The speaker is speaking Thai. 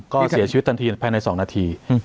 ก็เสียชีวิตทันทีภายใน๒นาที